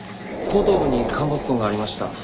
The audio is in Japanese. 後頭部に陥没痕がありました。